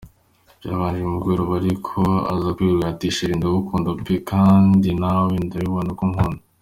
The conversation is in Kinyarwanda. Byabanje kumugora ariko aza kwerurura ati “Sheri, ndagukunda pe! Kandi nawe ndabibna ko unkunda.